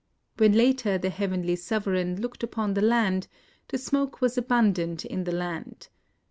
When later the Heavenly Sovereign looked upon the land, the smoke was abundant in the land.